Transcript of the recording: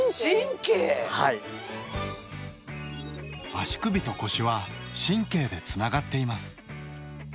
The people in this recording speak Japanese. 足首と腰は神経でつながっています。